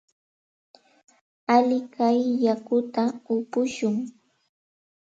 Alikay yakuta upushun.